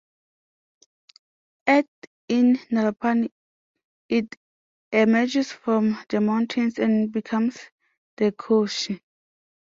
At in Nepal it emerges from the mountains and becomes the "Koshi".